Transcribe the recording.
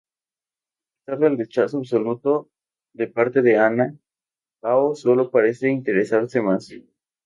A pesar del rechazo absoluto de parte de Anna, Hao sólo parece interesarse más.